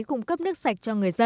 cung cấp nước sạch